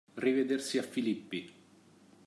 Rivedersi a Filippi.